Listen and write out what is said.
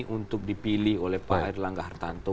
untuk dipilih oleh pak erlangga hartanto